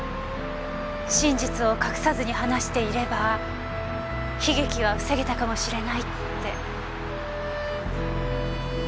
真実を隠さずに話していれば悲劇は防げたかもしれないって。